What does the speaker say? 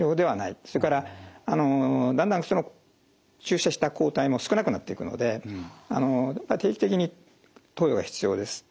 それからだんだん注射した抗体も少なくなっていくので定期的に投与が必要です。